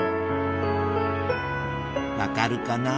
分かるかな？